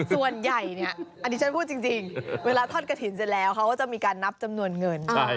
ส่วนใหญ่เนี่ยอันนี้ฉันพูดจริงเวลาทอดกระถิ่นเสร็จแล้วเขาก็จะมีการนับจำนวนเงิน